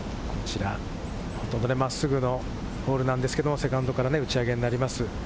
真っすぐのホールなんですけれど、セカンドから打ち上げになります。